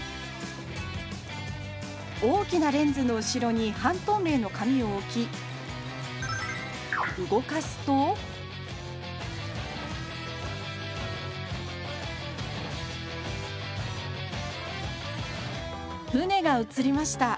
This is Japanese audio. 大きなレンズの後ろに半透明の紙を置き動かすと船が映りました。